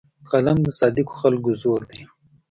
قلم د صادقو خلکو زور دی